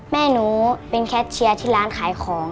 แม่หนูเป็นแคทเชียร์ที่ร้านขายของ